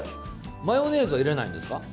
マヨネーズは入れないんですか？